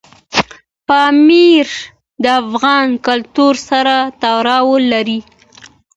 پامیر د افغان کلتور سره تړاو لري.